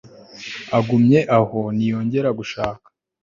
agumye aho ntiyongere gushaka